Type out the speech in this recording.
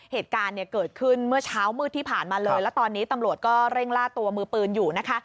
เหตุการณ์เนี่ยเกิดขึ้นเมื่อเช้ามืดที่ผ่านมาเลยแล้วตอนนี้ตำรวจก็เร่งล่าตัวมือปืนอยู่นะคะ